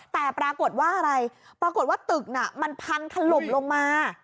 แต่ปรากฏว่าอะไรปรากฏว่าตึกน่ะมันพังถล่มลงมา